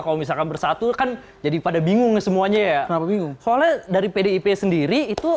kalau misalkan bersatu kan jadi pada bingung semuanya ya kenapa bingung soalnya dari pdip sendiri itu